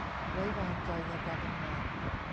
ไว้วางใจในการทำงาน